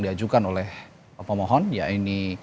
diajukan oleh pemohon ya ini